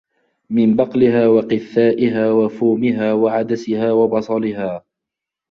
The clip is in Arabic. مِنْ بَقْلِهَا وَقِثَّائِهَا وَفُومِهَا وَعَدَسِهَا وَبَصَلِهَا ۖ